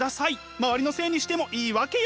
周りのせいにしてもいいわけよ？